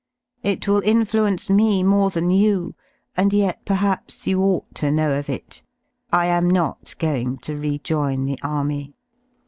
It will influence me I more than you, and yet perhaps you ought to know of it. I am not going to rejoin the Army.